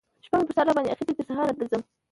شپه می پر سر باندی اخیستې تر سهاره درځم